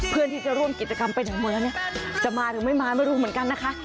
เพื่อนที่จะร่วมกิจกรรมเป็นอย่างหมดแล้วเนี่ยจะมาหรือไม่มาไม่รู้เหมือนกันนะคะ